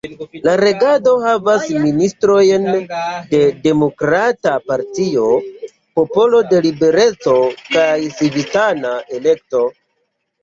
La regado havas ministrojn de Demokrata Partio, Popolo de Libereco kaj Civitana Elekto.